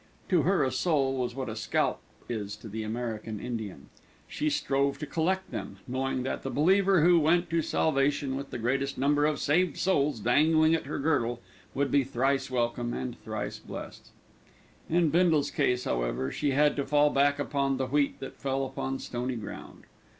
To her, a soul was what a scalp is to the American Indian. She strove to collect them, knowing that the believer who went to salvation with the greatest number of saved souls dangling at her girdle, would be thrice welcome, and thrice blessed. In Bindle's case, however, she had to fall back upon the wheat that fell upon stony ground.